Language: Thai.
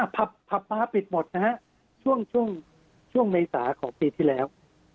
ผับม้าปิดหมดนะฮะช่วงเมษาของปีที่แล้ว